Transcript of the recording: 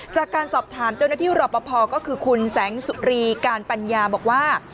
จากการสอบถามเจ้าหน้าที่รอปภก็คือคุณแสงสุรีการปัญญาบอกว่า